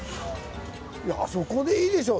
いやあそこでいいでしょ。